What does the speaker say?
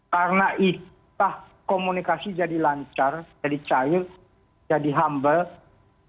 karena itu komunikasi jadi lancar jadi cair jadi humble